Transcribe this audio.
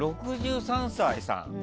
６３歳さん。